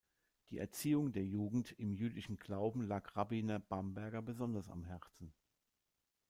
Die Erziehung der Jugend im jüdischen Glauben lag Rabbiner Bamberger besonders am Herzen.